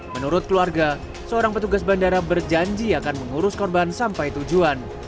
menurut keluarga seorang petugas bandara berjanji akan mengurus korban sampai tujuan